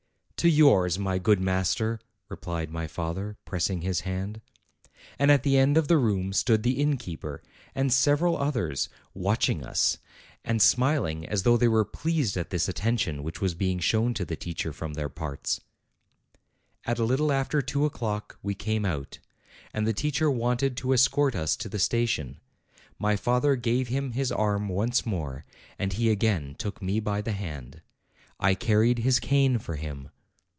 "To yours, my good master!" replied my father, pressing his hand. And at the end of the room stood the innkeeper and several others, watching us, and MY FATHER'S TEACHER 229 smiling as though they were pleased at this attention which was being shown to the teacher from their parts. At a little after two o'clock we came out, and the teacher wanted to escort us to the station. My father gave him his arm once more, and he again took me by the hand: I carried his cane for him.